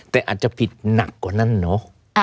แต่อาจจะผิดหนักกว่านั้นเนอะ